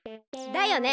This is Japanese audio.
だよね！